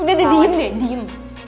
udah udah diem deh diem